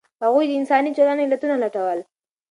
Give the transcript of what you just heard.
هغوی د انساني چلند علتونه لټول.